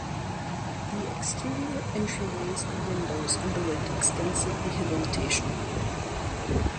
The exterior entryways and windows underwent extensive rehabilitation.